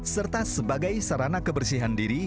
serta sebagai sarana kebersihan diri